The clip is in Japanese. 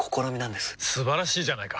素晴らしいじゃないか！